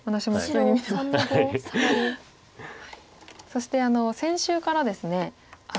そして先週からですね